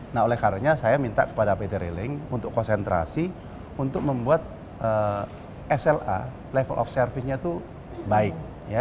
nah oleh karenanya saya minta kepada pt railing untuk konsentrasi untuk membuat sla level of service nya itu baik